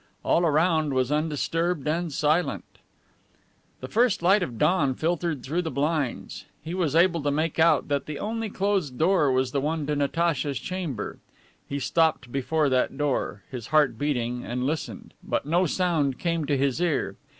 All around was undisturbed and silent. The first light of dawn filtered through the blinds. He was able to make out that the only closed door was the one to Natacha's chamber. He stopped before that door, his heart beating, and listened. But no sound came to his ear.